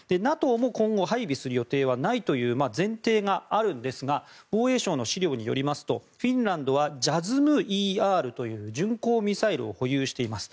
ＮＡＴＯも今後配備する予定はないという前提があるんですが防衛省の資料によりますとフィンランドはジャズムＥＲという巡航ミサイルを保有しています。